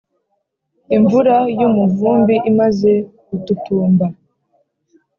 imvura y’umuvumbi imaze gututumba